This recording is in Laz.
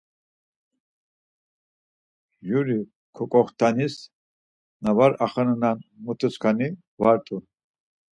Juri koǩoxtanis na var axenenan mutuksani vart̆u.